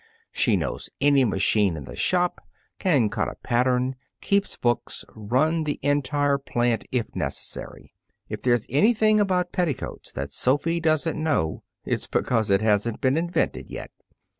She knows any machine in the shop, can cut a pattern, keep books, run the entire plant if necessary. If there's anything about petticoats that Sophy doesn't know, it's because it hasn't been invented yet.